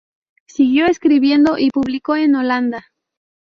Siguió escribiendo, y publicó en Holanda.